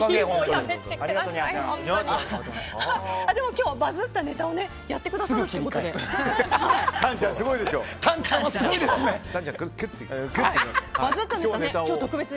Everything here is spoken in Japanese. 今日はバズったネタをやってくださるということで。